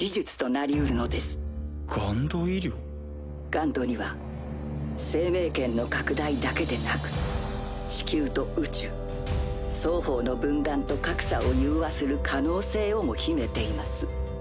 ＧＵＮＤには生命圏の拡大だけでなく地球と宇宙双方の分断と格差を融和する可能性をも秘めています。